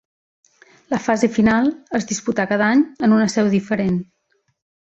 La fase final es disputà cada any en una seu diferent.